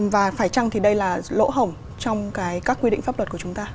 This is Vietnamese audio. và phải chăng thì đây là lỗ hổng trong cái các quy định pháp luật của chúng ta